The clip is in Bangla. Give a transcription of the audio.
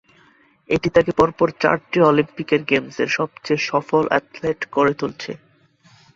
এটি তাকে পরপর চারটি অলিম্পিকের গেমসের সবচেয়ে সফল অ্যাথলেট করে তুলেছে।